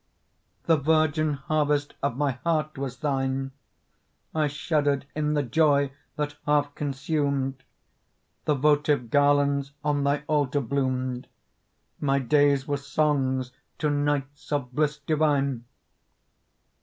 The virgin harvest of my heart was thine, I shuddered in the joy that half consumed; The votive garlands on thy altar bloomed, My days were songs to nights of bliss divine.